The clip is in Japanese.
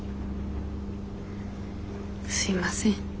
すいません。